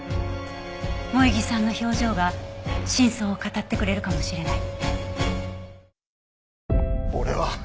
萌衣さんの表情が真相を語ってくれるかもしれない。